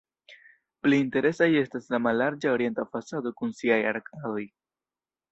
Pli interesaj estas la mallarĝa orienta fasado kun siaj arkadoj.